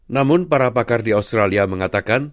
namun para pakar di australia mengatakan